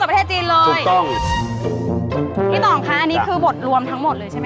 อุปกรณ์ที่ใช้เสื้อผ้าก็นำเข้าหมด